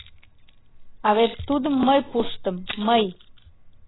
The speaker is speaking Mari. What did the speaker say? — А вет тудым мый пуштым, мый.